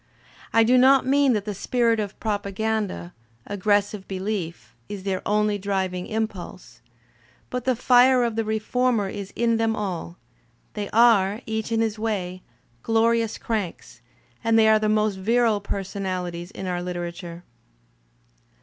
I do not mean that the spirit of propaganda, aggressive belief, is their only driving impulse, but the iSre of the reformer is. in them all; they are, each in his way, glorious cranks, and they are ' the most virile personalities in our Uterature.